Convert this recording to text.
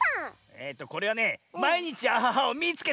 えっとこれはね「まいにちアハハをみいつけた！」。